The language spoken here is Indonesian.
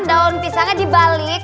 daun pisangnya dibalik